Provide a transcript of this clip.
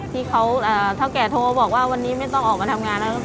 ที่เขาเท่าแก่โทรบอกว่าวันนี้ไม่ต้องออกมาทำงานแล้ว